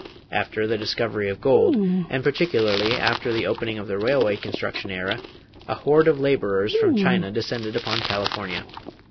After the discovery of gold, and particularly after the opening of the railway construction era, a horde of laborers from China descended upon California.